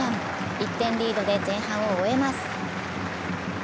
１点リードで前半を終えます。